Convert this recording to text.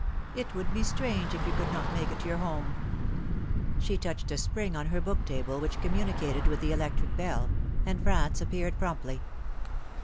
It would be strange if you could not make it your home !" She touched a spring on her book table, which communicated with the electric bell, and Franz appeared promptly.